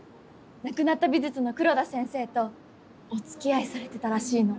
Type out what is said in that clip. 亡くなった美術の黒田先生とお付き合いされてたらしいの。